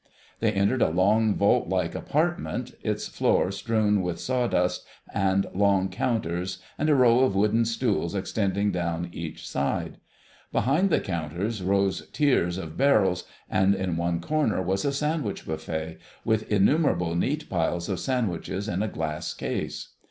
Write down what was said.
They entered a long vault like apartment, its floor strewn with sawdust and long counters and a row of wooden stools extending down each side. Behind the counters rose tiers of barrels, and in one corner was a sandwich buffet, with innumerable neat piles of sandwiches in a glass case.